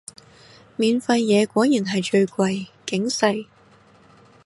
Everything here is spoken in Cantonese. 免費嘢果然係最貴，警世